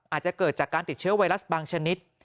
อาจจะเกิดจากการติดเชื้อไวรัสบางชนิด